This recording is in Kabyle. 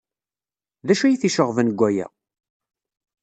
D acu ay t-iceɣben deg waya?